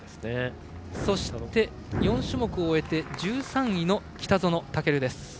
そして４種目終えて１３位の北園丈琉です。